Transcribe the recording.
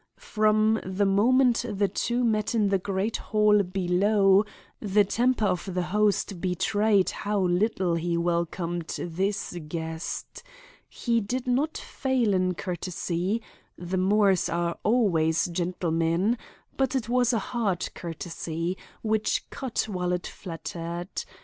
From the moment the two met in the great hall below, the temper of the host betrayed how little he welcomed this guest. He did not fail in courtesy—the Moores are always gentlemen—but it was a hard courtesy, which cut while it flattered.